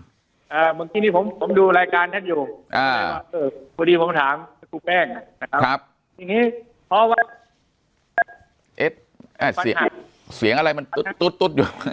ครูครับถึงตอนนี้ผมดูรายการแแลกอยู่